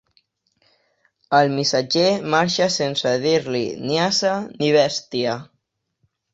El missatger marxa sense dir-li ni ase ni bèstia.